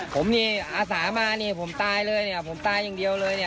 ผมนี่อาสามาร์นี่ผมตายเลยผมตายอย่างเดียวเลย